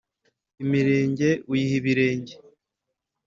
imirenge uyiha ibirenge